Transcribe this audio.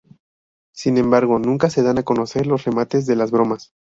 Sin embargo nunca se dan a conocer los remates de las bromas.